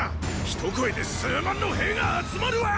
一声で数万の兵が集まるわ！